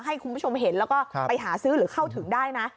ให้คุณผู้ชมเห็นแล้วก็ไปหาซื้อหรือเข้าถึงได้นะ